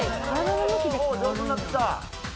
おお上手になってきた！